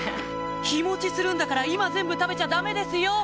日持ちするんだから今全部食べちゃダメですよ！